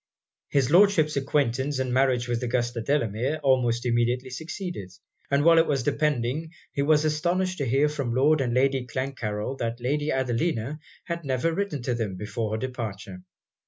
His Lordship's acquaintance and marriage with Augusta Delamere, almost immediately succeeded; but while it was depending, he was astonished to hear from Lord and Lady Clancarryl that Lady Adelina had never written to them before her departure.